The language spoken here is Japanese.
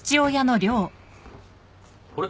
あれ？